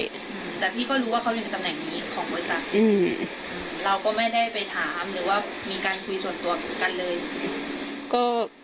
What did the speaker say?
แต่พี่ก็รู้ว่าก็อยู่ในตำแหน่งดีของโบสถ์เราก็ไม่ได้ไปถามหรือว่ามีการคุยส่วนตัวกันเลย